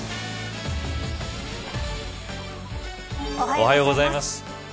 おはようございます。